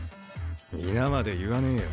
皆まで言わねえよ。